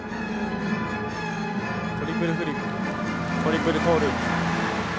トリプルフリップトリプルトウループ。